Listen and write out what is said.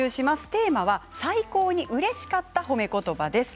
テーマは最高にうれしかった褒め言葉です。